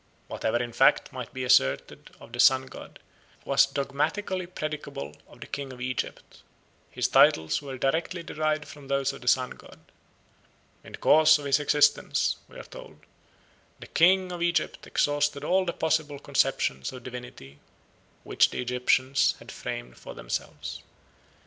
Whatever in fact might be asserted of the Sun god, was dogmatically predicable of the king of Egypt. His titles were directly derived from those of the Sun god." "In the course of his existence," we are told, "the king of Egypt exhausted all the possible conceptions of divinity which the Egyptians had framed for themselves.